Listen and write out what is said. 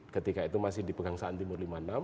ketika itu masih di pegangsaan timur lima puluh enam